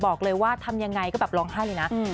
บอกเลยว่าทำยังไงก็แบบร้องไห้เลยนะ